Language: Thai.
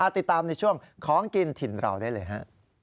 ติดตามในช่วงของกินถิ่นเราได้เลยฮะ